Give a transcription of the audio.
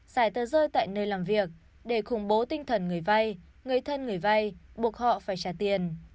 giải tờ rơi tại nơi làm việc để khủng bố tinh thần người vay người thân người vay buộc họ phải trả tiền